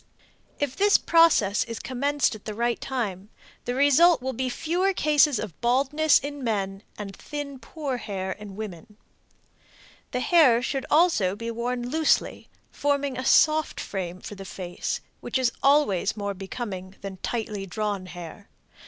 If this process is commenced at the right time, the result will be fewer cases of baldness in men and thin, poor hair in women. The hair should also be worn loosely, forming a soft frame for the face, which is always more becoming than tightly drawn hair.